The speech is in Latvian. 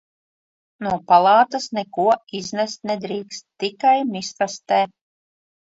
No palātas neko iznest nedrīkst, tikai miskastē.